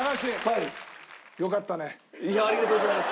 ありがとうございます。